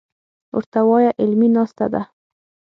ورته وايه علمي ناسته ده.